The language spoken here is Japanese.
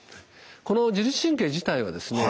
この自律神経自体はですね